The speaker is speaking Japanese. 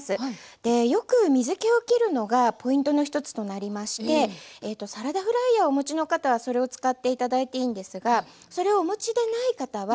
でよく水けをきるのがポイントの一つとなりましてサラダフライヤーお持ちの方はそれを使って頂いていいんですがそれをお持ちでない方はこういう。